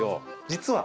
実は。